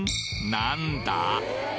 なんだ？